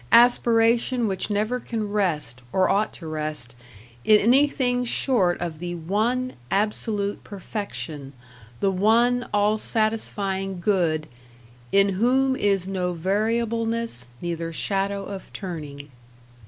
Aspiration which never can rest, or ought to rest, in anything short of the One absolute Perfection the One all satisfying Good "IN WHOM IS NO VARIABLENESS, NEITHER SHADOW OF TURNING."